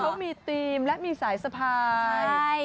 เขามีธีมและมีสายสะพาย